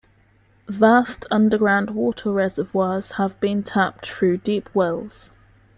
Vast underground water reservoirs have been tapped through deep wells.